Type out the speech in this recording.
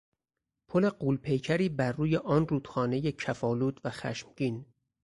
پل غول پیکری بر روی آن رودخانهی کف آلود و خشمگین